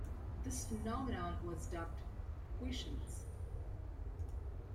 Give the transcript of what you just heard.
This phenomenon was dubbed "quiescence".